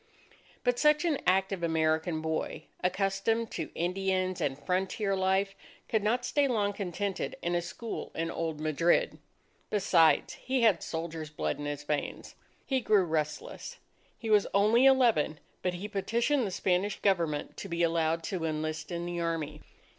But such an active American boy, accustomed to Indians and frontier life, could not stay long contented in a school in old Madrid. Besides, he had soldiers' blood in his veins. He grew restless. He was only eleven; but he petitioned the Spanish Government to be allowed to enlist in the army.